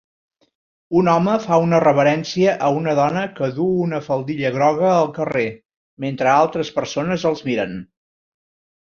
Un home fa una reverència a una dona que duu una faldilla groga al carrer, mentre altres persones els miren.